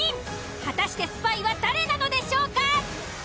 果たしてスパイは誰なのでしょうか？